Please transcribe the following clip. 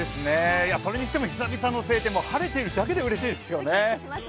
それにしても、久々の晴天、晴れてるだけでうれしいですよね。